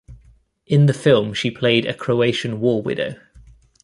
In the film she played a Croatian war widow.